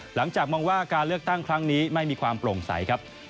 หลังจากมองว่าการเลือกตั้งครั้งนี้ไม่มีความโปร่งใสครับ